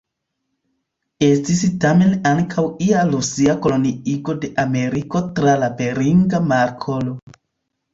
Estis tamen ankaŭ ia Rusia koloniigo de Ameriko tra la Beringa Markolo.